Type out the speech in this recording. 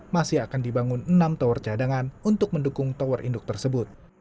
masih akan dibangun enam tower cadangan untuk mendukung tower induk tersebut